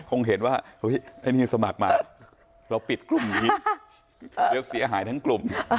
คงเห็นว่าเฮ้ยไอ้นี่สมัครมาเราปิดกลุ่มนี้เดี๋ยวเสียหายทั้งกลุ่ม